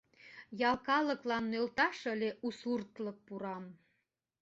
Ял калыклан нӧлташ ыле у суртлык пурам.